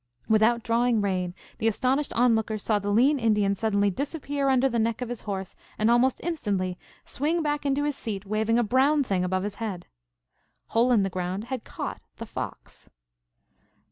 Without drawing rein, the astonished onlookers saw the lean Indian suddenly disappear under the neck of his horse and almost instantly swing back into his seat waving a brown thing above his head. Hole in the Ground had caught the fox.